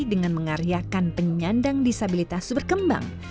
dengan mengaryakan penyandang disabilitas berkembang